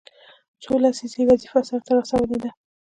څو لسیزې یې وظیفه سرته رسولې ده.